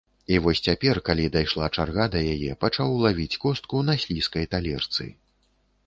І вось цяпер, калі дайшла чарга да яе, пачаў лавіць костку на слізкай талерцы.